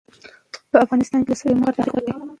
په افغانستان کې د سلیمان غر تاریخ اوږد دی.